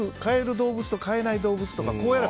動物と飼えない動物とか。